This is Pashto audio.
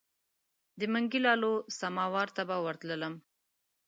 د منګي لالو سماوار ته به ورتللم.